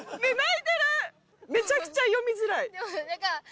めちゃくちゃ読みづらい。